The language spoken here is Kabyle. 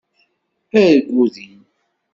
Argu din!